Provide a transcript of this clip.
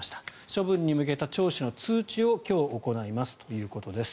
処分に向けた聴取の通知を今日行いますということです。